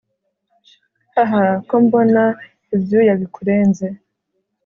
hahahaha ko mbona ibyuya byakurenze